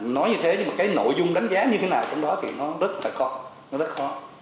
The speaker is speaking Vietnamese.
nói như thế nhưng mà cái nội dung đánh giá như thế nào trong đó thì nó rất là khó nó rất khó